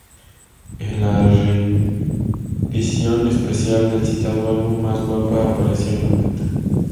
En la reedición especial del citado álbum, Más guapa, aparecía la maqueta.